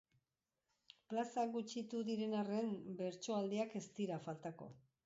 Plazak gutxitu diren arren, bertsoaldiak ez dira faltako.